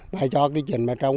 và cho cái chuyện mà